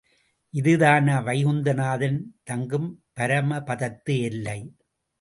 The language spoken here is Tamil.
இதுதானா வைகுந்தநாதன் தங்கும் பரமபதத்து எல்லை?